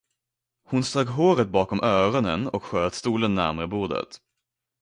Hon strök håret bakom öronen och sköt stolen närmre bordet.